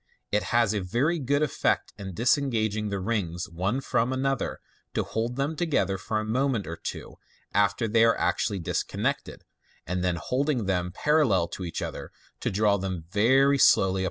It has a very good effect in disengaging the rings one from another, to hold them together for a moment or two after they are actually disconnected, and then hold ing them parallel to each other, to draw them very slowly apart.